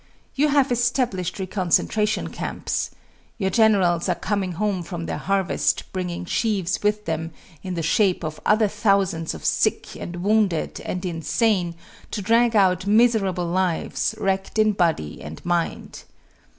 You have established reconcentration camps. Your generals are coming home from their harvest bringing sheaves with them, in the shape of other thousands of sick and wounded and insane to drag out miserable lives, wrecked in body and mind.